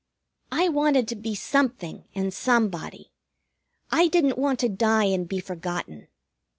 I wanted to be something and somebody. I didn't want to die and be forgotten.